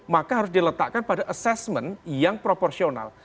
maka harus diletakkan pada assessment yang proporsional